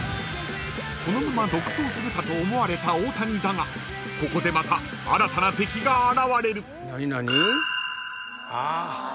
［このまま独走するかと思われた大谷だがここでまた新たな敵が現れる］